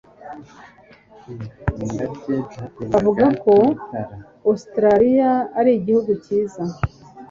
Bavuga ko Australiya ari igihugu cyiza.